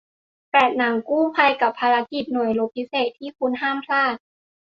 แปด หนังกู้ภัย กับภารกิจหน่วยรบพิเศษที่คุณห้ามพลาด